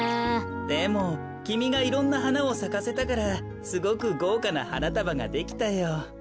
でもきみがいろんなはなをさかせたからすごくごうかなはなたばができたよ。